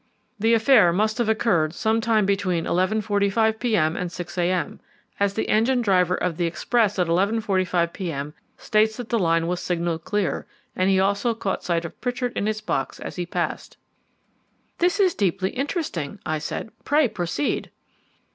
The affair must have occurred some time between 11.45 p.m. and 6 a.m., as the engine driver of the express at 11.45 p.m. states that the line was signalled clear, and he also caught sight of Pritchard in his box as he passed." "This is deeply interesting," I said; "pray proceed."